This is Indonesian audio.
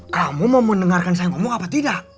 kamu mau mendengarkan saya ngomong apa tidak